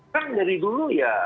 kan dari dulu ya